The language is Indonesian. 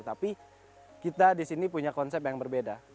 tapi kita di sini punya konsep yang berbeda